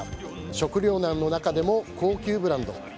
食糧難の中でも高級ブランド。